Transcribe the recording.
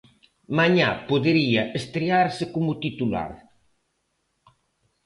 Mañá podería estrearse como titular.